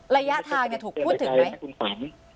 ระยะทางถูกพูดถึงไหม